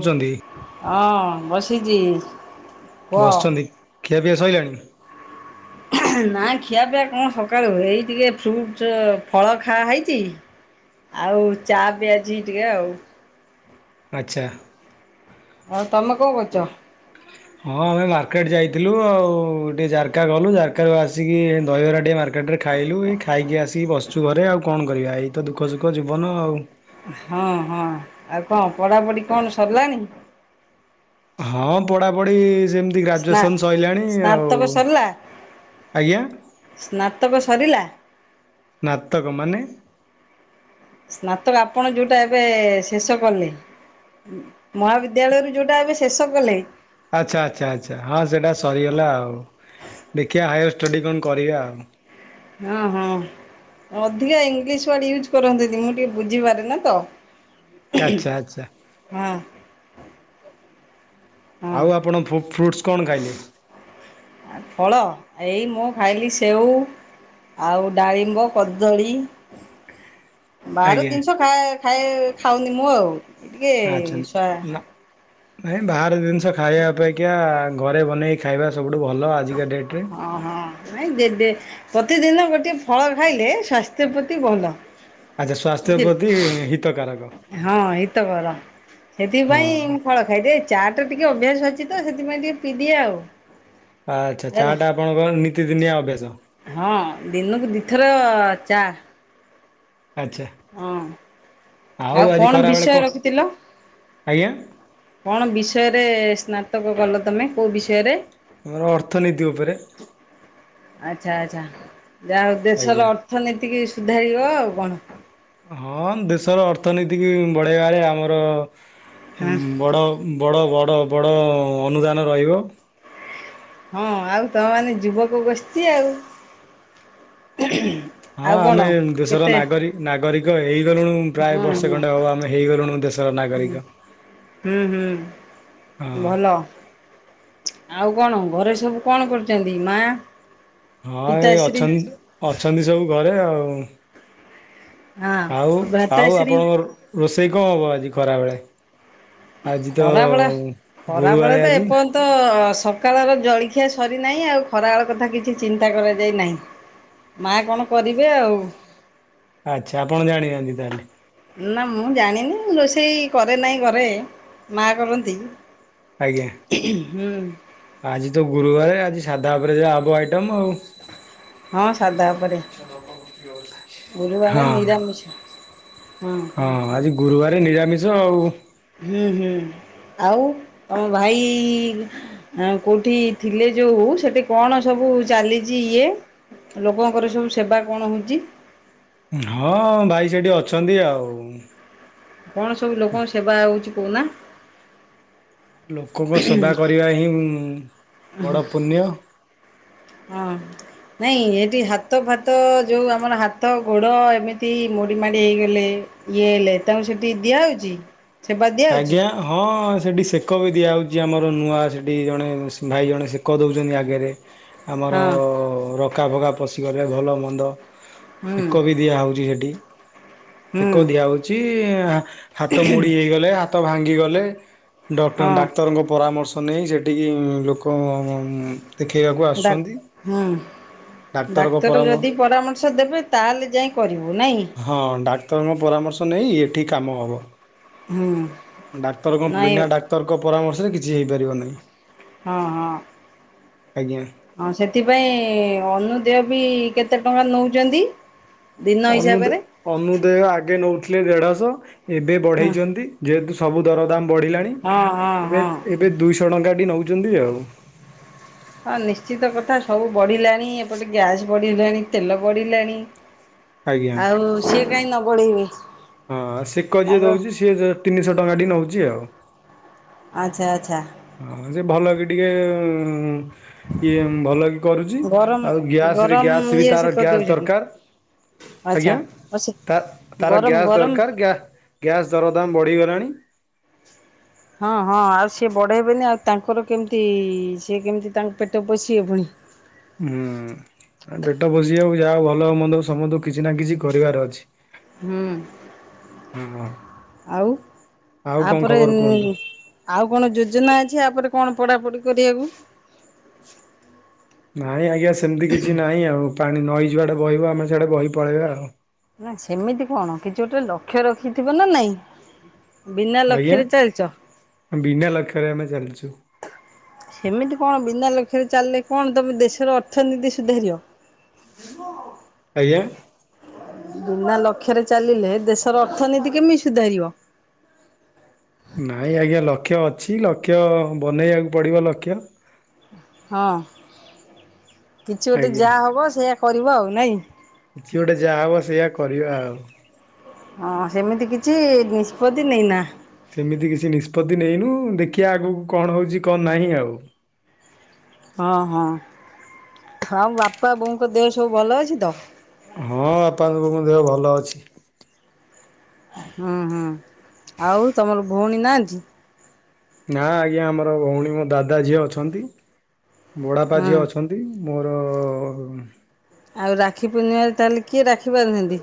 ଅଛନ୍ତି। ହଁ ବସିଛି। କୁହ ବସିଛନ୍ତି ଖିଆପିଆ ସରିଲାଣି। ନା ଖିଆପିଆ କଣ ସକାଳୁ ଏଇ ଟିକେ ଫ୍ରୁଟ୍ସ ଫଳ ଖାଆ ହେଇଛି। ଆଉ ଚା ପିଆ ହଇଚି ଟିକେ ଆଉ। ଆଚ୍ଛା। ଆଉ ତମେ କଣ କରୁଚ? ହଁ ଆମେ ମାର୍କେଟ ଯାଇଥିଲୁ ଆଉ ଟିକେ ଜାରକା ଗଲୁ ଜାରକାରୁ ଆସିକି ଦହିବରା କିଟେ ମାର୍କେଟରେ ଖାଇଲୁ ଏଇ ଖାଇକି ଆସିକି ବସଚୁ ଘରେ ଆଉ କଣ କରିବା ଏଇ ତ ଦୁଃଖ ସୁୁଖ ଜୀବନ ଆଉ। ହଁ ହଁ ଆଉ କଣ ପଢ଼ାପଢ଼ି କଣ ସରିଲାଣି? ହଁ ପଢାପଢି ସେମତି ସ୍ନା ଗ୍ରାଜୁଏସନ ସରିଲାଣି ଆଉ ସ୍ନାତକ ସରିଲା ଆଜ୍ଞା। ସ୍ନାତକ ସରିଲା। ନାତକ ମାନେ? ସ୍ନାତକ ଆପଣ ଯଉଟା ଏବେ ଶେଷ କଲେ। ଉଁ ମହାବିଦ୍ୟାଳୟରୁ ଯଉଟା ଏବେ ଶେଷ କଲେ। ଆଚ୍ଛା ଆଚ୍ଛା ଆଚ୍ଛା। ହଁ ସେଇଟା ସରିଗଲା ଆଉ ଦେଖିବା ହାୟାର ଷ୍ଟଡ଼ି କଣ କରିବା ଆଉ। ହଁ ହଁ। ଅଧିକା ଇଂଲିଶ ୱାର୍ଡ ୟୁଜ୍ କରନ୍ତୁନି ମୁଁ ଟିକେ ବୁଝିପାରୁନି ତ। ଆଚ୍ଛା ଆଚ୍ଛା। ହଁ। ହଁ। ଆଉ ଆପଣ ଫୁ ଫ୍ରୁଟ୍ସ୍ କଣ ଖାଇଲେ? ଆ ଫଳ ଏଇ ମୁଁ ଖାଇଲି ସେଉ। ଆଉ ଡାଳିମ୍ବ, କଦଳୀ। ବାହାର ଆଜ୍ଞା ଜିନିଷ ଖାଏ ଖାଏ ଖାଉନି ମୁଁ ଆଉ। ଟିକେ ଆଚ୍ଛା ସ୍ୱା ନା ନାଇଁ ବାହାର ଜିନିଷ ଖାଇବା ଅପେ ଖା ଘରେ ବନେଇ ଖାଇବା ସବୁଠୁ ଭଲ ଆଜିକା ଡେଟରେ। ହଁ ହଁ। ନାଇ ଡେ ଡେ ପ୍ରତିଦିନ ଗୋଟେ ଫଳ ଖାଇଲେ ସ୍ୱାସ୍ଥ୍ୟ ପ୍ରତି ଭଲ। ଆଚ୍ଛା ସ୍ୱାସ୍ଥ୍ୟ ବୁଝିଲେ ପ୍ରତି ହିତକାରକ। ହଁ ହିତ କର। ହଁ। ସେଥିପାଇଁ ମୁଁ ଫଳ ଖାଇଦିଏ ଚା ଟା ଟିକେ ଅଭ୍ୟାସ ଅଛି ତ ସେଥିପାଇଁ ଟିକେ ପିଇଦିଏ ଆଉ। [inaudible] ଆଚ୍ଛା ଚା ହେଲା ଟା ଆପଣଙ୍କ ନିତିଦିନିଆ ଅଭ୍ୟାସ। ହଁ ଦିନକୁ ଦିଥର ଚା। ଆଚ୍ଛା। ହଁ। ଆଉ ଆଜି କଣ ଖରାବେଳେ କ ବିଷୟ ରଖିଥିଲ? ଆଜ୍ଞା କଣ ବିଷୟରେ ସ୍ନାତକ କଲ ତମେ କଉ ବିଷୟରେ? ମୋର ଅର୍ଥନୀତି ଉପରେ। ଆଚ୍ଛା ଆଚ୍ଛା ଯାହା ହଉ ଆଜ୍ଞା ଦେଶର ଅର୍ଥନୀତିକି ସୁଧାରିବ ଆଉ କଣ। ହଁ ଦେଶର ଅର୍ଥନୀତିକି ବଢେଇବା ବେଳେ ଆମର ଉଁ ହଁ ବଡ଼। ଉଁ ବଡ଼ ବଡ଼ ବଡ଼ ଅନୁଦାନ ରହିବ। ହଁ ଆଉ ତମେ ମାନେ ଯୁବକ ଗୋଷ୍ଟି ଆଉ। ହଁ ଆଉ କଣ? ଆମେ ଦେଶର କେତେ ନାଗରି ନାଗରିକ ହେଇଗଲୁଣୁ ପ୍ରାୟ ହୁଁ ବର୍ଷେ ହୁଁ ଖଣ୍ଡେ ହବ ଆମେ ହେଇଗଲୁଣୁ ଦେଶର ନାଗରିକ। ହୁଁ ହୁଁ ହଁ। ଭଲ। ଆଉ କଣ ଘରେ ସବୁ କଣ କରୁଛନ୍ତି ମା? ହଁ ଏଇ ପିତାଶ୍ରୀ ଅଛ ଅଛନ୍ତି ସବୁ ଘରେ ଆଉ। ହଁ ଆଉ ଆଉ ଭ୍ରାତାଶ୍ରୀ ଆପଣଙ୍କର। ରୋଷେଇ କଣ ହବ ଆଜି ଖରାବେଳେ? ଆଜି ତ ଖରାବେଳେ ଖରାବେଳେ ଗୁରୁବାର ଆଜି। ଏପର୍ଯ୍ୟନ୍ତ ତ ସକାଳର ଜଳଖିଆ ସରିନାହିଁ ଆଉ ଖରାବେଳ କଥା କିଛି ଚିନ୍ତା କରାଯାଇ ନାହିଁ। ମା କଣ କରିବେ ଆଉ। ଆଚ୍ଛା ଆପଣ ଜାଣିନାହାନ୍ତି ତାହେଲେ। ନା ମୁଁ ଜାଣିନି ରୋଷେଇ କରେ ନାହିଁ ଘରେ ମା କରନ୍ତି। ଆଜ୍ଞା। ହୁଁ ଆଜି ତ ଗୁରୁବାର ଆଜି ସାଧା ଉପରେ ଯାହା ହବ ଆଇଟମ ଆଉ। ହଁ ସାଧା ଉପରେ ହଁ। ସମିଛ। ହୁଁ। ହଁ ଆଜି ଗୁରୁବାର ନିରାମିଷ ଆଉ। ହୁଁ ହୁଁ ଆଉ ତମ ଭାଇ ଆ କୋଉଠି ଥିଲେ ଯୋଉ ସେଠି କଣ ସବୁ ଚାଲିଛି ଇଏ? ଲୋକଙ୍କର ସବୁ ସେବା କଣ ହେଉଛି? ହଁ ଭାଇ ସେଠି ଅଛନ୍ତି ଆଉ। କଣ ସବୁ ଲୋକଙ୍କ ସେବା ହଉଛି କହୁନା? ଲୋକଙ୍କ ସେବା କରିବା ହିଁ ବଡ଼ ପୁଣ୍ୟ। ହଁ। ନାଇଁ ଏଠି ହାତ ଫାତ ଯୋଉ ଆମର ହାତ ଗୋଡ଼ ଏମିତି ମୋଡ଼ି ମାଡ଼ି ହେଇଗଲେ। ଇଏ ହେଲେ ତାଙ୍କୁ ସେଠି ଦିଆ ହଉଛି। ଆଜ୍ଞା। ହଁ ସେଠି ସେକ ବି ଦିଆହେଉଛି ଆମର ନୂଆ ସେଠି ଜଣେ ଭାଇ ଜଣେ ସେକ ଦେଉଛନ୍ତି ଆଗରେ। ଆମର ହଁ ରକା ଭଗା ପଶିଗଲେ ଭଲ ମନ୍ଦ ହୁଁ ସେକ ବି ଦିଆ ହଉଛି ସେଠି ହୁଁ ସେକ ଦିଆ ହଉଛି। ହାତ ମୁଡ଼ି ହେଇଗଲେ ହାତ ଭାଙ୍ଗିଗଲେ ଡ ହଁ ଡାକ୍ତରଙ୍କ ପରାମର୍ଶ ତ ନେଇ ସେଠିକି ଲୋକ ଦେଖେଇବାକୁ ଡା ଆସୁଛନ୍ତି ହୁଁ। ଡାକ୍ତରଙ୍କ ଡାକ୍ତର ପରାମର୍ଶ ଯଦି ପରାମର୍ଶ ଦେବେ ତା ହେଲେ ଯାଇ କରିବୁ ନାଇଁ। ହଁ ଡାକ୍ତରଙ୍କ ପରାମର୍ଶ ନେଇ ଏଠି କାମ ହବ। ହୁଁ। ଡାକ୍ତରଙ୍କ ନାଇଁ ବିନା ଡାକ୍ତରଙ୍କ ପରାମର୍ଶରେ କିଛି ହେଇପାରିବ ନାହିଁ। ହଁ ହଁ। ଆଜ୍ଞା। ହଁ ସେଥିପାଇଁ ଅନୁଦେୟ ବି କେତେ ଟଙ୍କା ନଉଛନ୍ତି? ଦିନ ଅନୁ ହିସାବରେ ଅନୁଦୟ ଆଗେ ନଉଥିଲେ ଦେଢଶହ ଏବେ ହଁ ବଢେଇଛନ୍ତି। ଯେହେତୁ ସବୁ ଦରଦାମ ବଢ଼ିଲାଣି। ହଁ ହଁ ହଁ। ଏବେ ଦୁଇଶହ ଟଙ୍କାଟି ନଉଛନ୍ତି ଆଉ। ହଁ ନିଶ୍ଚିତ କଥା ସବୁ ବଢ଼ିଲାଣି ଏପଟେ ଗ୍ୟାସ୍ ବଢ଼ିଲାଣି ତେଲ ବଢ଼ିଲାଣି। ଆଜ୍ଞା। ଆଉ ସିଏ କାହିଁ ନ ବଢେଇବେ। ହଁ ସେକ ଯିଏ ଦଉଛି ସିଏ ତିନିଶହ ଟଙ୍କାଟି ନଉଛି ଆଉ। ଆଚ୍ଛା ଆଚ୍ଛା। ହଁ ଯେ ଭଲ କି ଟିକେ ଇଏ ଭଲ କି କରୁଛି ଗରମ ଆଉ ଗ୍ୟାସରେ ଗରମ ଗ୍ୟାସ୍ ବି ଇଏ ସେ ତାର ଗ୍ୟାସ୍ କରିଦଉଛନ୍ତି। ଦରକାର। ଆଚ୍ଛା ଆଜ୍ଞା ଅ ସେ ତା ତାର ଗରମ ଗ୍ୟାସ୍ ଗରମ ଦରକାର ଗ୍ୟା ଗ୍ୟାସ୍ ଦରଦାମ୍ ବଢ଼ିଗଲାଣି। ହଁ ହଁ ଆଉ ସିଏ ବଢ଼େଇବେନି ଆଉ ତାଙ୍କର କେମିତି ସିଏ କେମିତି ତାଙ୍କ ପେଟ ପୋଷିିବେ ପୁଣି। ହୁଁ। ପେଟ ପୋଷିବାକୁ ଯାହା ହଉ ଭଲ ହଉ ମନ୍ଦ ସମସ୍ତଙ୍କୁ କିଛି ନା କିଛି କରିବାର ଅଛି। ହୁଁ, ହଁ ଆଉ ଆଉ କଣ ଆପରେ ଖବର କୁହନ୍ତୁ? ଆଉ କଣ ଯୋଜନା ଅଛି ଆପରେ କଣ ପଢାପଢି କରିବାକୁ? ନାଇଁ ଆଜ୍ଞା ସେମିତି କିଛି ନାହିଁ ଆଉ ପାଣି ନଈ ଯୁଆଡେ ବହିବ ଆମେ ସିଆଡେ ବହି ପଳେଇବା ଆଉ। ନା ସେମିତି କଣ କିଛି ଗୋଟେ ଲକ୍ଷ୍ୟ ରଖିଥିବ ନା ନାଇଁ? ବିନା ଆଜ୍ଞା ଲକ୍ଷ୍ୟରେ ଚାଲିଛ। ବିନା ଲକ୍ଷ୍ୟରେ ଆମେ ଚାଲିଛୁ। ସେମିତି କଣ ବିନା ଲକ୍ଷ୍ୟରେ ଚାଲିଲେ କଣ ତମେ ଦେଶର ଅର୍ଥନୀତି ସୁଧାରିବ? ହ [unintelligible] ଆଜ୍ଞା ବିନା ଲକ୍ଷ୍ୟରେ ଚାଲିଲେ ଦେଶର ଅର୍ଥନୀତି କେମିତି ସୁଧାରିବ? ନାଇଁ ଆଜ୍ଞା ଲକ୍ଷ୍ୟ ଅଛି। ଲକ୍ଷ୍ୟ ବନେଇବାକୁ ପଡ଼ିବ ଲକ୍ଷ୍ୟ। ହଁ କିଛି ଗୋଟେ ଆଜ୍ଞା। ଯାହା ହବ ସେଇଆ କରିବ ଆଉ। ନାଇଁ? କିଛି ଗୋଟେ ଯାହା ହବ ସେଇଆ କରିବା ଆଉ। ହଁ ସେମିତି କିଛି ନିଷ୍ପତ୍ତି ନେଇନା? ସେମିତି କିଛି ନିଷ୍ପତ୍ତି ନେଇନୁ। ଦେଖିଆ ଆଗକୁ କଣ ହଉଛି କଣ ନାହିଁ ଆଉ? ହଁ ହଁ। ଥାଉ ବାପା, ବୋଉଙ୍କ ଦେହ ସବୁ ଭଲ ଅଛି ତ? ହଁ ବାପା, ବୋଉଙ୍କ ଦେହ ଭଲ ଅଛି। ହୁଁ ହୁଁ। ଆଉ ତମର ଭଉଣୀ ନାହାନ୍ତି? ନା ଆଜ୍ଞା ଆମର ଭଉଣୀ ମୋ ଦାଦା ଝିଅ ଅଛନ୍ତି। ବଡ଼ାପା ହୁଁ ଝିଅ ଅଛନ୍ତି। ନ୍ତି ମୋର ଆଉ ରାକ୍ଷୀ ପୂର୍ଣ୍ଣିିମାରେ ତାହେଲେ କିଏ ରାକ୍ଷୀ ବାନ୍ଧନ୍ତି?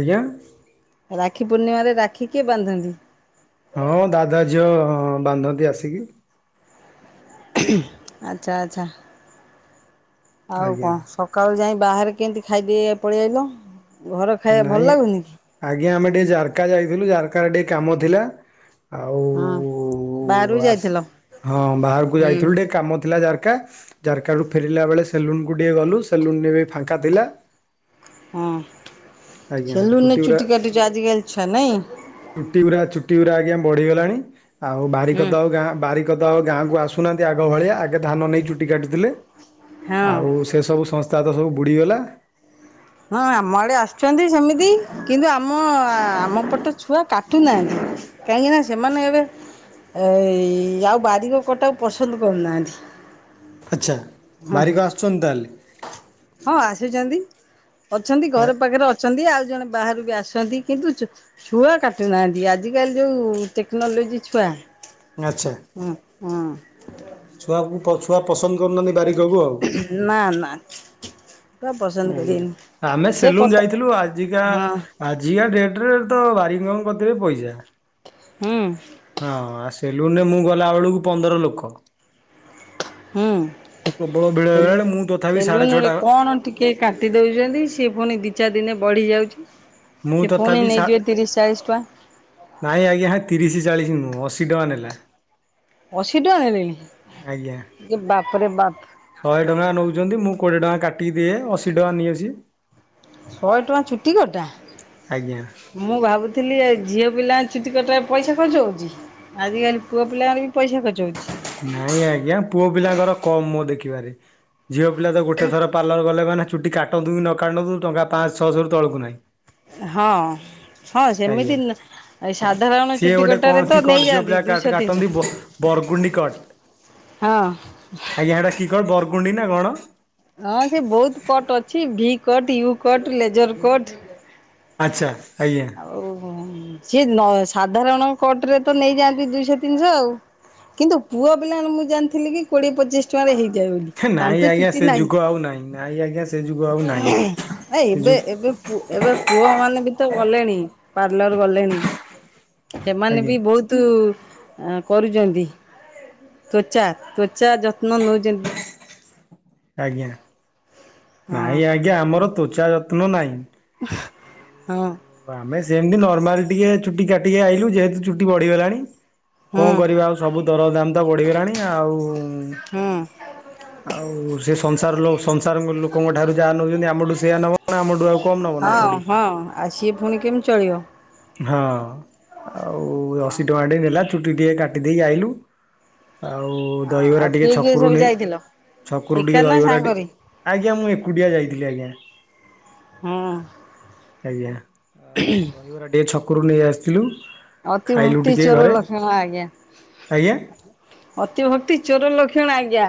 ଆଜ୍ଞା? ରାକ୍ଷୀ ପୂର୍ଣ୍ଣିମାରେ ରାକ୍ଷୀ କିଏ ବାନ୍ଧନ୍ତି? ହଁ ଦାଦା ଝିଅ ବାନ୍ଧନ୍ତି ଆସିକି। ଆଚ୍ଛା ଆଚ୍ଛା। ଆଉ ଆଜ୍ଞା କଣ? ସକାଳୁ ଯାଇ ବାହାରେ କେମିତି ଖାଇଦେଇ ଆ ପଳେଇ ଆଇଲ? ଘର ଖାଇବା ଭଲ ନାଇଁ, ଲାଗୁନି କି? ଆଜ୍ଞା ଆମେ ଟିକେ ଜାରକା ଯାଇଥିଲୁ ଜାରକାରେ ଟିକେ କାମ ଥିଲା। ହଁ ବାହାରକୁ ଓ ଆସ, ଯାଇଥିଲ? ହଁ ବାହାରକୁ ହୁଁ ଯାଇଥିଲୁ ଟିକେ କାମ ଥିଲା ଯାରକା। ଜାରକାରୁ ଫେରିଲା ବେଳେ ସେଲୁନକୁ ଟିକେ ଗଲୁ। ସେଲୁନରେ ବି ଫାଙ୍କା ଥିଲା। ହଁ, ଆଜ୍ଞା ସେଲୁନରେ ଗୁରା ଚୁଟି କାଟୁଛ ଆଜି କାଲି ଛୁଆ ନାଇଁ? ଚୁଟି ଗୁରା, ଚୁଟି ଗୁରା ଆଜ୍ଞା ବଢିଗଲାଣି ଆଉ ହୁଁ ବାରିକ ତ ଆଉ ଗାଁ ବାରି- କ ତ ଗାଁକୁ ଆସୁନାହାନ୍ତି ଆଗ ଭଳିଆ। ଆଗେ ଧାନ ନେଇ ଚୁଟି କାଟୁଥିଲେ ହଁ ଆଉ- ସେ ସବୁ ସଂସ୍ଥା ତ ସବୁ ବୁଡ଼ିଗଲା। ହଁ ଆମ ଆଡ଼େ ଆସୁଛନ୍ତି ସେମିତି କିନ୍ତୁ ଆମ ଆମ ପଟ ଛୁଆ କାଟୁନାହାନ୍ତି। କାହିଁକି ନା ସେମାନେ ଏବେ- ଏଇ ଆଉ ବାରିକ କଟାକୁ ପସନ୍ଦ କରୁନାହାନ୍ତି। ଆଚ୍ଛା। ବାରିକ ଆସୁଛନ୍ତି ତାହେଲେ? ହଁ ଆସୁଛନ୍ତି। ଅଛନ୍ତି ଘର ପାଖରେ ଅଛନ୍ତି ଆଉ ଜଣେ ବାହାରୁ ବି ଆସିଛନ୍ତି। କିନ୍ତୁ ଚୁ- ଛୁଆ କାଟୁନାହାଁନ୍ତି। ଆଜିକାଲି ଯୋଉ ଟେକନଲୋଜି ଛୁଆ। ଆଚ୍ଛା। ହଁ ହଁ ଛୁଆକୁ ଛୁଆ ପସନ୍ଦ କରୁନାହାନ୍ତି ବାରି- ନା ନା ଛୁଆ ପସନ୍ଦ ଉଁ, କରିବେନି ଆମେ ସେ ସେଲୁନ କଟା ଯାଇଥିଲୁ ହଁ ଆଜିକା- ଆଜିକା ଡେଟରେ ତ ବାରିିକଙ୍କ କତିରେ ପଇସା। ହୁଁ ହଁ, ସେଲୁନରେ ମୁଁ ଗଲାବେଳକୁ ପନ୍ଦର ଲୋକ। ହୁଁ ପ୍ରବଳ ଭିଡ ସେଲୁ ହେଇଗଲାଣି। ମୁଁ ତଥାପି ସେଲୁନରେ ସାଢେଛଅଟା କଣ ଟିକେ କାଟି ଦେଉଛନ୍ତି ସିଏ ପୁଣି ଦୁଇ ଚାରି ଦିନେ ବଢ଼ିଯାଉଛି। ମୁଁ ସେ ପୁଣି ତଥାପି ସା ନେଇ ଯିବେ ତିରିଶ ଚାଳିଶି ଟଙ୍କା। ନାଇଁ ଆଜ୍ଞା ତିରିଶ ଚାଳିଶି ନୁହେଁ ଅଶି ଟଙ୍କା ନେଲା। ଅଶି ଟଙ୍କା ଆଜ୍ଞା। ନେଲେଣି ଏ ବାପରେ ବାପ। ଶହେ ଟଙ୍କା ନେଉଛନ୍ତି ମୁଁ କୋଡ଼ିଏ ଟଙ୍କା କାଟିକି ଦିଏ ଅଶୀ ଟଙ୍କା ନିଏ ସିଏ। ଶହେ ଟଙ୍କା ଚୁଟି କଟା। ଆଜ୍ଞା। ମୁଁ ଭାବୁଥିଲି ଏ ଝିଅ ପିଲାଙ୍କ ଚୁଟି କଟାରେ ପଇସା ଖର୍ଚ୍ଚ ହେଉଛି। ଆଜିକାଲି ପୁଅପିଲାଙ୍କର ବି ପଇସା ଖର୍ଚ ହଉଛି। ନାଇଁ ଆଜ୍ଞା ପୁଅ ପିଲାଙ୍କର କମ୍ ମୁଁ ଦେଖିବାରେ ଝିଅ ପିଲା ତ ଗୋଟେ ଥର ପାର୍ଲର ଗଲେ ମାନେ ଚୁଟି କାଟନ୍ତୁ କି ନ କାଟନ୍ତୁ ଟଙ୍କା ପାଞ୍ଚ ଛଅଶହରୁ ତଳକୁ ନାହିଁ। ହଁ। ହଁ ଆଜ୍ଞା ସେମିତି ଏ ସାଧାରଣ ସିଏ ଚୁଟି ଗୋଟେ କଣ କଟାରେ ତ ନେଇଯାଆନ୍ତି ଦୁଇଶହ ତିନିଶହ। ବରଗୁଣ୍ଡିକଟ। ହଁ। ଆଜ୍ଞା ହେଈଟା କି କଟ୍ ବରଗୁଣ୍ଡି ନା କଣ? ହଁ ସେ ବହୁତୁ କଟ୍ ଅଛି V cut, U cut, laser cut ଆଚ୍ଛା ଆଜ୍ଞା। ଓହୋ ସିଏ ସାଧାରଣ କଟ ରେ ତ ନେଇଯାଆନ୍ତି ଦୁଇଶହ ତିନିଶହ ଆଉ। କିନ୍ତୁ ପୁଅ ପିଲାମାନେ ମୁଁ ଜାଣିଥିଲି କି କୋଡ଼ିଏ ପଚିଶି ଟଙ୍କାରେ ହେଇଯାଏ ବୋଲି। ହେ ତାଙ୍କର ତ ନାଇଁ ଆଜ୍ଞା ଚୁଟି ସେ ନାହିଁ। ଯୁଗ ଆଉ ନାଇଁ ନାଇଁ ଆଜ୍ଞା ସେ ଯୁଗ ଆଉ ନାଇଁ। ନାଇଁ ଏବେ ଏବେ ପୁ ଏବେ ପୁଅ ମାନେ ବି ତ ଗଲେଣି ପାର୍ଲର ଗଲେଣି। ସେମାନେ ଆଜ୍ଞା ବି ବହୁତୁ ଆ କରୁଛନ୍ତି ତ୍ୱଚା ତ୍ୱଚା ଯତ୍ନ ନଉଛନ୍ତି। ଆଜ୍ଞା ହଁ ନାଇଁ ଆଜ୍ଞା ଆମର ତ୍ୱଚା ଯତ୍ନ ନାହିଁ। ହଁ। ଆମେ ସେମିତି ନର୍ମାଲ ଟିକେ ଚୁଟି କାଟିକି ଆଇଲୁ ଯେହେତୁ ଚୁଟି ବଢିଗଲାଣି। ହୁଁ କଣ କରିବା ଆଉ ସବୁ ଦରଦାମ ତ ବଢିଗଲାଣି ଆଉ ହୁଁ। ଆଉ ସେ ସଂସାର ଲୋ ସଂସାର ଲୋକଙ୍କ ଠାରୁ ଯାହା ନେଉଛନ୍ତି ଆମଠୁ ସେୟା ନବ ଆମଠୁ ଆଉ କମ୍ ନେବ ନା ହଁ ଥୋଡ଼ି ହଁ ଆଉ ସିଏ ପୁଣି କେମିତି ଚଳିବ? ହଁ ଆଉ ହଁ ଅଶୀ ଟଙ୍କାଟେ ନେଲା ଚୁଟି ଟିକେ କାଟି ଦେଇକି ଆଇଲୁ। ଆଉ ହଁ ଆଉ ଦହିବରା ଟିକେ କିଏ କିଏ ଛକରୁ ସବୁ ନେଇ। ଯାଇଥିଲ ଛକରୁ ଏକା ଟିକେ ନା ଦହିବରାଟେ ସାଙ୍ଗରେ? ଆଜ୍ଞା ମୁଁ ଏକୁଟିଆ ଯାଇଥିଲି ଆଜ୍ଞା। ହଁ। ଆଜ୍ଞା। ଆଉ ଦହିବରା ଟିକେ ଛକରୁ ନେଇ ଆସିଥିଲୁ। ଅତି ଖାଇଲୁ ଭକ୍ତି ଟିକେ ଚୋର ଘରେ ଲକ୍ଷଣ ଆଜ୍ଞା। ଆଜ୍ଞା ଅତିଭକ୍ତି ଚୋର ଲକ୍ଷଣ ଆଜ୍ଞା।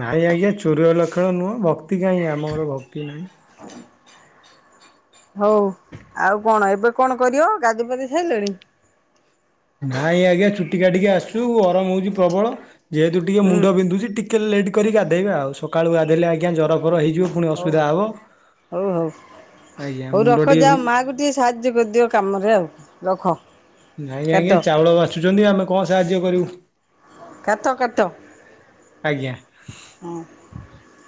ନାଇଁ ଆଜ୍ଞା ଚୋର ଲକ୍ଷଣ ନୁହଁ ଭକ୍ତି କାହିଁ ଆମର ଭକ୍ତି ନାହିଁ। [inaudible] ହଉ ଆଉ କଣ ଏବେ କଣ କରିବ? ଗାଧେଇ ପାଧେଇ ସାଇଲେଣି। ନାଇଁ ଆଜ୍ଞା ଚୁଟି କାଟିକି ଆସୁଚୁ ଗରମ ହଉଛି ପ୍ରବଳ ଯେହେତୁ ଟିକେ ହୁଁ ମୁଣ୍ଡ ବିନ୍ଧୁଛି ଟି କେ ଲେଟ୍ କରିକି ଗାଧଇବା ଆଉ ସକାଳୁ ଗାଧଇଲେ ଆଜ୍ଞା ଜରଫର ହେଇଯିବ। ପୁଣି ହଉ ଅସୁବିଧା ହବ। ହଉ ହଉ ଆଜ୍ଞା ହଉ ମୁଣ୍ଡ ରଖ ଟିକେ ଯା ବି ଆଉ ମା କୁ ସାହାଯ୍ୟ କରିଦିଅ କାମରେ ଆଉ ରଖ। ନାଇଁ କାଟ। ଆଜ୍ଞା ଚାଉଳ ବାଛୁଛନ୍ତି ଆମେ କଣ ସାହାଯ୍ୟ କରିବୁ? କାତ କାତ ଆଜ୍ଞା। ହୁଁ।